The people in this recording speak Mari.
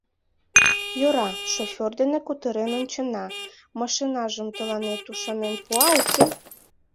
— Йӧра, шофёр дене кутырен ончена, машинажым тыланет ӱшанен пуа, уке.